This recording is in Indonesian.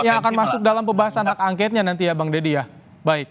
yang akan masuk dalam pembahasan hak angketnya nanti ya bang deddy ya